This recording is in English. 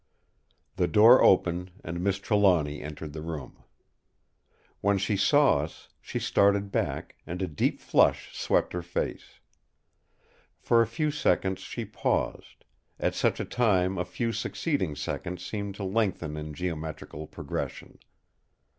The door opened, and Miss Trelawny entered the room. When she saw us, she started back; and a deep flush swept her face. For a few seconds she paused; at such a time a few succeeding seconds seem to lengthen in geometrical progression.